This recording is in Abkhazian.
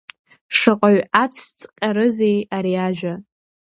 Шаҟаҩ ацҵҟьарызеи ари ажәа!